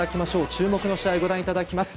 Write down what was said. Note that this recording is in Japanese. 注目の試合をご覧いただきます。